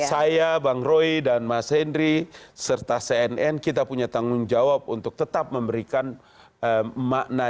saya bang roy dan mas henry serta cnn kita punya tanggung jawab untuk tetap memberikan makna